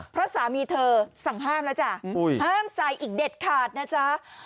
เพราะสามีเธอสั่งห้ามแล้วจ้ะห้ามใส่อีกเด็ดขาดนะจ๊ะ